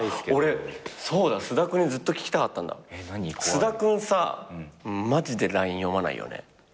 菅田君さマジでＬＩＮＥ読まないよね。